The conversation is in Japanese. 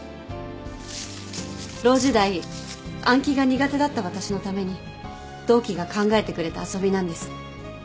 ロー時代暗記が苦手だった私のために同期が考えてくれた遊びなんです。